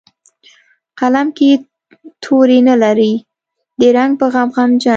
قلم کې یې توري نه لري د رنګ په غم غمجن